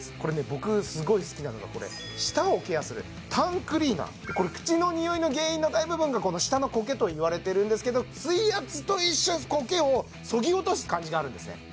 僕すごい好きなのが舌をケアするタンクリーナー口の臭いの原因の大部分が舌のコケと言われてるんですけど水圧と一緒にコケをそぎ落とす感じがあるんですね